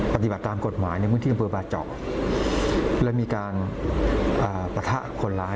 ปฏิบัติตามกฎหวานในมิทิพฤบาจำแล้วมีการประทะคนร้าย